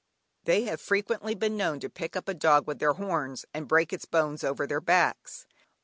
They have frequently been known to pick up a dog with their horns, and break its bones over their backs.